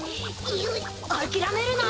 あきらめるな！